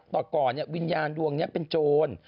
ตอนก่อนวิญญาณดวงเป็นโจร